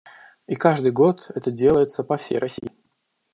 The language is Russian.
И каждый год это делается по всей России.